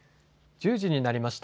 １０時になりました。